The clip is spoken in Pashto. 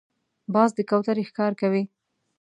باز د کوترې ښکار کوي